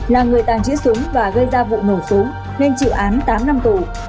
là người tàng trữ súng và gây ra vụ nổ súng nên chịu án tám năm tù